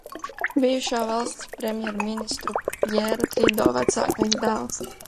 Bijušā valsts premjerministra Pjēra Trido vecākais dēls.